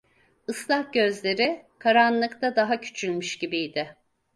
Islak gözleri karanlıkta daha küçülmüş gibiydi.